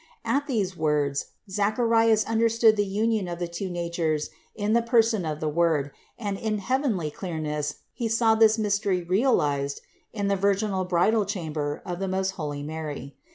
At these words Zacharias understood the union of the two natures in the person of the Word and in heavenly clearness he saw this mystery realized in the virginal bridal chamber of the most holy Mary.